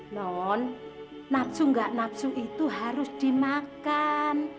non napsu gak napsu itu harus dimakan